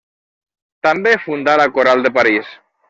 També fundà la Coral de París.